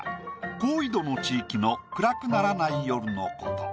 高緯度の地域の暗くならない夜のこと。